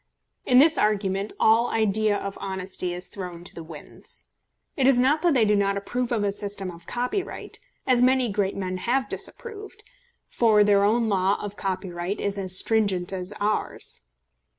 In this argument all idea of honesty is thrown to the winds. It is not that they do not approve of a system of copyright, as many great men have disapproved, for their own law of copyright is as stringent as is ours.